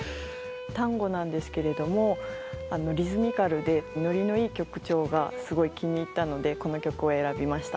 タンゴなんですけれどもあのリズミカルでノリのいい曲調がすごい気に入ったのでこの曲を選びました。